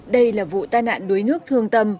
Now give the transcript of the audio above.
đây là vụ tai nạn đuối nước thương tâm